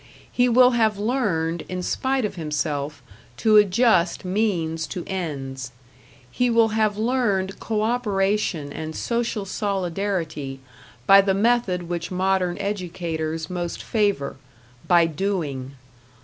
He will have learned, in spite of himself, to adjust means to ends; he will have learned co operation and social solidarity by the method which modern educators most favor by doing.